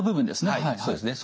はいそうですね。